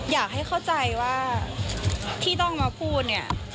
อยากให้เข้าใจว่าที่ต้องมาพูดเนี่ย